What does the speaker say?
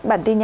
bản tin nhé